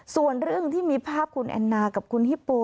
ส่วนเรื่องที่มีภาพคุณแอนนากับคุณฮิปโป